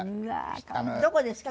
どこですか？